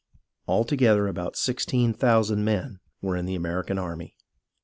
All together about sixteen thousand men were in the American army.